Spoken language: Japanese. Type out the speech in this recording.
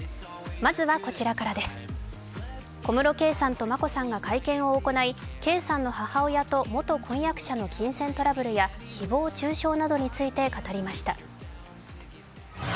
まずはこちらからです、小室圭さんと眞子さんが会見を行い圭さんの母親と元婚約者の金銭トラブルや誹謗中傷などについて語りました。